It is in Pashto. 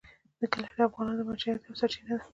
کلي د افغانانو د معیشت یوه سرچینه ده.